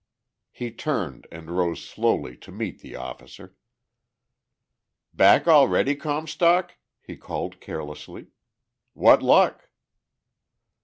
He turned and rode slowly to meet the officer. "Back already, Comstock?" he called carelessly. "What luck?"